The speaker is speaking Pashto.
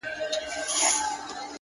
د چا د ويښ زړگي ميسج ننوت’